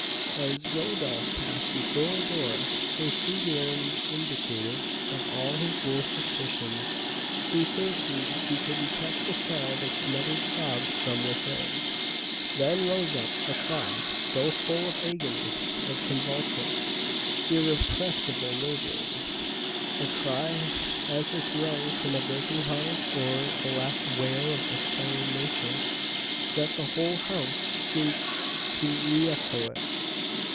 As Rodolph passed before a door so singularly indicative of all his worst suspicions, he fancied he could detect the sound of smothered sobs from within. Then rose up a cry so full of agony, of convulsive, irrepressible misery, a cry as if wrung from a breaking heart or the last wail of expiring nature, that the whole house seemed to reëcho it.